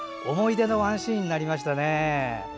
思い出のワンシーンになりましたね。